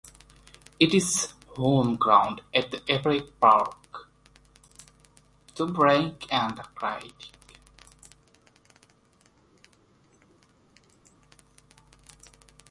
Its home ground is at Aberaman Park, situated between the village and nearby Abercwmboi.